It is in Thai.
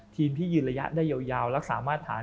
ทีมที่ยืนระยะได้ยาวรักษามาตรฐาน